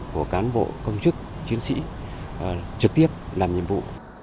của cán bộ công chức chiến sĩ trực tiếp làm nhiệm vụ